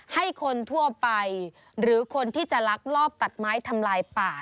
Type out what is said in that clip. ให้คนทั่วไปหรือคนที่จะลักลอบตัดไม้ทำลายป่า